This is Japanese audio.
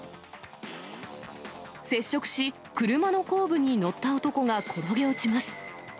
接触し、車の後部に乗った男が転げ落ちます。